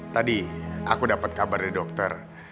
tadi aku dapat kabar dari dokter